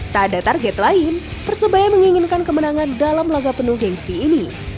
tak ada target lain persebaya menginginkan kemenangan dalam laga penuh gengsi ini